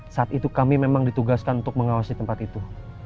saat itu kami memang ditugaskan untuk mengawasi tempat itu